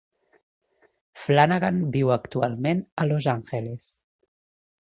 Flanagan viu actualment a Los Ángeles.